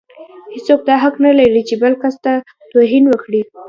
هيڅوک دا حق نه لري چې بل کس ته توهين وکړي.